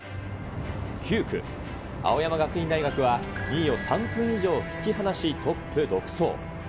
９区、青山学院大学は、２位を３分以上引き離し、トップ独走。